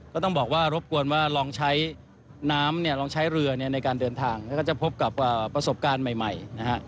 ก็ต้องบอกว่ารบกวนว่าลองใช้น้ำเนี่ยลองใช้เรือในการเดินทางแล้วก็จะพบกับประสบการณ์ใหม่นะฮะ